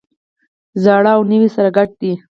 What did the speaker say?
زاړه او نوي سره ګډ دي.